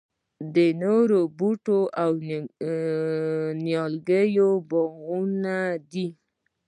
د نوو بوټو او نیالګیو باغوانان دي.